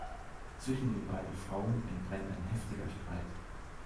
Zwischen den beiden Frauen entbrennt ein heftiger Streit.